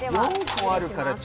４個あるから。